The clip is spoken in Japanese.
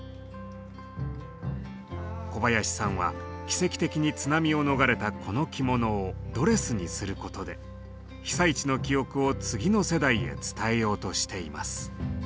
小林さんは奇跡的に津波を逃れたこの着物をドレスにすることで被災地の記憶を次の世代へ伝えようとしています。